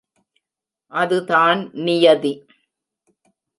அது தான் நியதி.